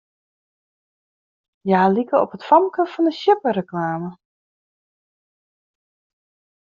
Hja like op it famke fan 'e sjippereklame.